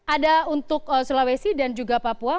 ada untuk sulawesi dan juga papua